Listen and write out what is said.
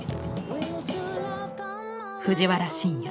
藤原新也